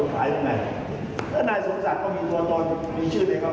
การที่นายเศรษฐาถอนตัวจากการเป็นแคนดิเดตนายกรัฐมนตรีครับ